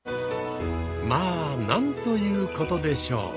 まあなんということでしょう！